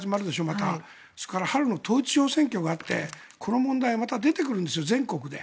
また、春の統一地方選挙があってこの問題、また出てくるんですよ全国で。